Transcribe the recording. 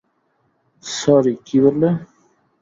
Sorry, কী বললে?